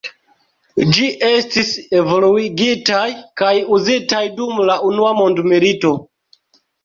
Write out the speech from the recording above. Ĝi estis evoluigitaj kaj uzitaj dum la unua mondmilito.